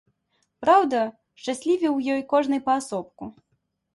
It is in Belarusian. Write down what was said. Праўда, шчаслівы ў ёй кожны паасобку.